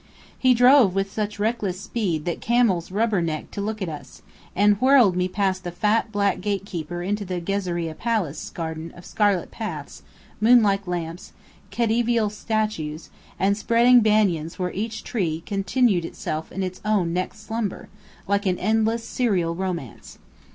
He drove with such reckless speed that camels "rubber necked" to look at us and whirled me past the fat black gate keeper into the Ghezireh Palace garden of scarlet paths, moonlike lamps, Khedivial statues, and spreading banyans where each tree continued itself in its own "next number," like an endless serial romance.